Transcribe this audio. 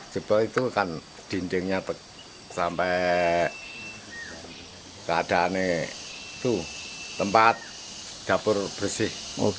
jepang itu kan dindingnya sampai keadaan itu tempat dapur bersih